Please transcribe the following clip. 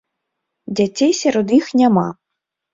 Дзяцей сярод іх няма.